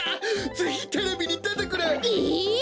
ぜひテレビにでてくれ。え！？